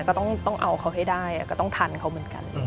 ก็ต้องเอาเขาให้ได้ก็ต้องทันเขาเหมือนกัน